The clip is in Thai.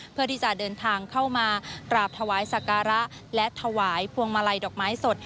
เพื่อที่จะเดินทางเข้ามากราบถวายสักการะและถวายพวงมาลัยดอกไม้สด